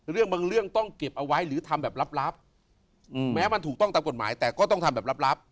เรื่องบางเรื่องต้องเก็บเอาไว้หรือทำแบบลับแม้มันถูกต้องตามกฎหมายแต่ก็ต้องทำแบบลับ